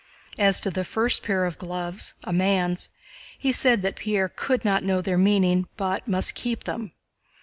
As to the first pair of gloves, a man's, he said that Pierre could not know their meaning but must keep them.